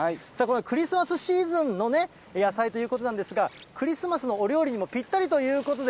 クリスマスシーズンのね、野菜ということなんですが、クリスマスのお料理にもぴったりということで。